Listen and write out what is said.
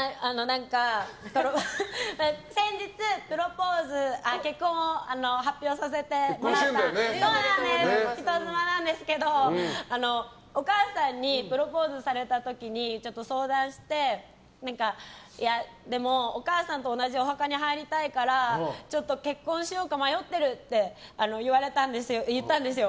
先日結婚を発表させてもらって人妻なんですけどお母さんにプロポーズされた時にちょっと相談してでも、お母さんと同じお墓に入りたいからちょっと結婚しようか迷ってるって言ったんですよ。